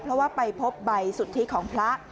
เพราะว่าไปพบใบสุทธิของพระ